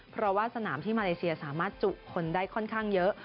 เพราะว่าสนามที่มาเลเซียสามารถจุคนได้ค่อนข้างเยอะ